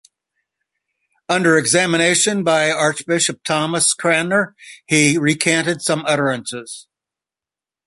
Under examination by Archbishop Thomas Cranmer he recanted some utterances.